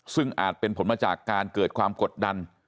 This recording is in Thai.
ซึ่งอาจเป็นผลมาจากการเกิดความกดดัน